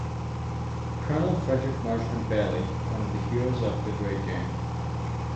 Colonel Frederick Marshman Bailey, one of the heroes of 'The Great Game'.